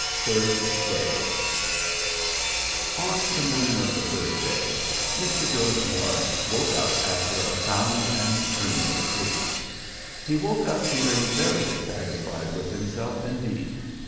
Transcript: Third Day On the morning of the third day, Mr. George Morris woke up after a sound and dreamless sleep. He woke up feeling very dissatisfied with himself, indeed.